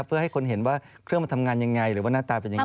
เพื่อให้คนเห็นว่าเครื่องมันทำงานยังไงหรือว่าหน้าตาเป็นยังไง